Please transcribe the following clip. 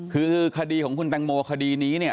คือคดีของคุณตังโมคดีนี้เนี่ย